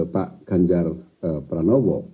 pak ganjar pranowo